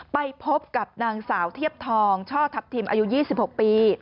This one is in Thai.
ไปพบกับนางสาวเทียบทองช่อทัพทิมอายุ๒๖ปี